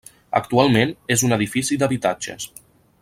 Actualment és un edifici d'habitatges.